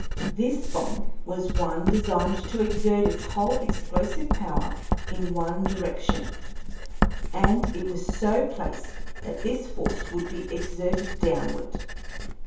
This bomb was one designed to exert its whole explosive power in one direction, and it was so placed that this force would be exerted downward.